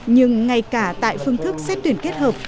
nhưng ngay cả tại phương thức xét tuyển kết hợp